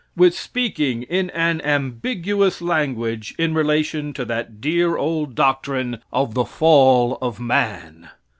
With speaking in an ambiguous language in relation to that dear old doctrine of the fall of man.